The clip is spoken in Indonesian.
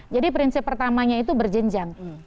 jadi prinsip pertamanya itu berjenjang